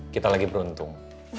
kita lagi beruntung